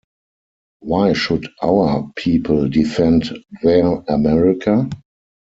Why should "our" people defend "their" America?